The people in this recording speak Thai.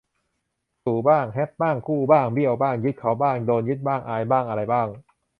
ตู่บ้าง แฮปบ้าง กู้บ้าง เบี้ยวบ้าง ยึดเขาบ้าง โดนยึดบ้าง อายบ้าง อะไรบ้าง